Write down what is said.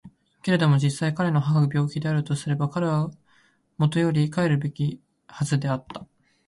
けれども実際彼の母が病気であるとすれば彼は固より帰るべきはずであった。